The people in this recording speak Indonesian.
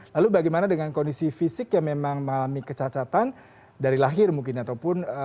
lalu bagaimana dengan kondisi fisik yang memang mengalami kecacatan dari lahir mungkin ataupun